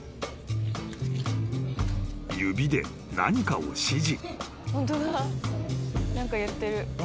［指で何かを指示］